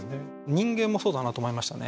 人間もそうだなと思いましたね。